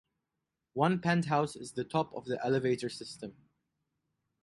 One penthouse is the top of the elevator system.